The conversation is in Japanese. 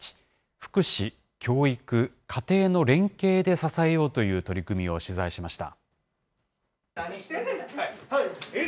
福祉、教育、家庭の連携で支えようという取り組みを取材しました。